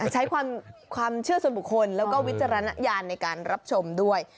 ใช้ความเชื่อส่วนบุคคลแล้วก็วิจารณญาณในการรับชมด้วย